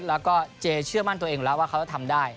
แล้วก็เจเชื่อมั่นตัวเองอยู่แล้วว่าเขาจะทำได้